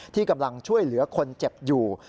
ที่กำลังช่วยเหลือคนเจ็บอยู่